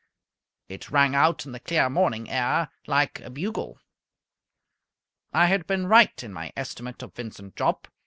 It rang out in the clear morning air like a bugle. I had been right in my estimate of Vincent Jopp.